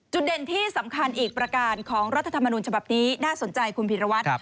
เด่นที่สำคัญอีกประการของรัฐธรรมนุนฉบับนี้น่าสนใจคุณพีรวัตร